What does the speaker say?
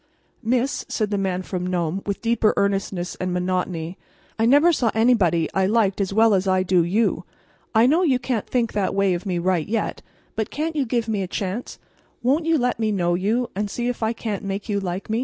"Miss," said the Man from Nome, with deeper earnestness and monotony, "I never saw anybody I liked as well as I do you. I know you can't think that way of me right yet; but can't you give me a chance? Won't you let me know you, and see if I can't make you like me?"